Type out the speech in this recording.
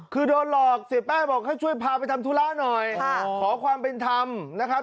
คือโดนหลอกเสียแป้งบอกให้ช่วยพาไปทำธุระหน่อยขอความเป็นธรรมนะครับ